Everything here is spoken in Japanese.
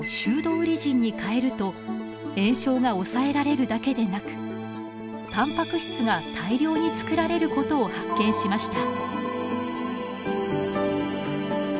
ウリジンにかえると炎症が抑えられるだけでなくタンパク質が大量に作られることを発見しました。